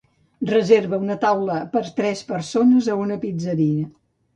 Reserva una taula per a tres persones a una pizzeria.